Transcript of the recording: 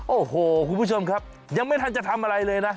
โอ้โหคุณผู้ชมครับยังไม่ทันจะทำอะไรเลยนะ